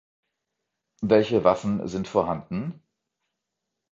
Welche Waffen sind vorhanden?